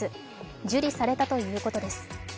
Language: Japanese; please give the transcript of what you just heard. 受理されたということです。